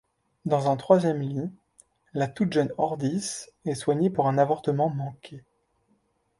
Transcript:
Dans un troisième lit, la toute jeune Hjördis est soignée pour un avortement manqué.